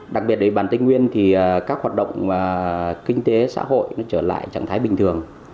đặc biệt để bán tên nguyên thì các hoạt động kinh tế xã hội trở lại trạng thái bình thường